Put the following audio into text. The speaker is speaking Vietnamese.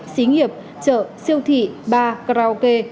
xí nghiệp chợ siêu thị bar karaoke